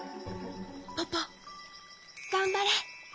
ポポがんばれ！